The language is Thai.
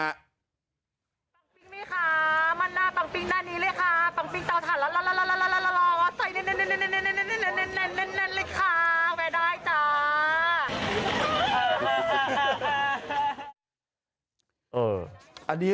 อันนี้เรียกแค่